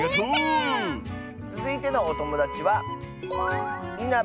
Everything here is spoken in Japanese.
つづいてのおともだちは。